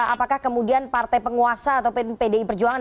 apakah kemudian partai penguasa atau pdi perjuangan